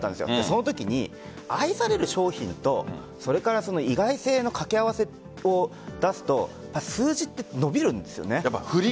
そのときに愛される商品と意外性の掛け合わせを出すと数字って伸びるんです。